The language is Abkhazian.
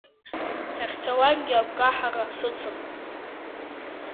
Сахьцалакгьы агәкаҳара сыцын.